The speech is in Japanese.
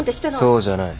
そうじゃない。